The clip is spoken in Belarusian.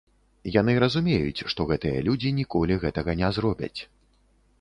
Яны разумеюць, што гэтыя людзі ніколі гэтага не зробяць.